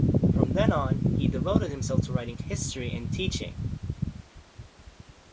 From then on, he devoted himself to writing history and teaching.